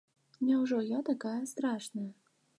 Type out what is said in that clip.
Няўжо я такая страшная?!